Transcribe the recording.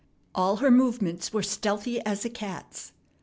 All her movements were stealthy as a cat's.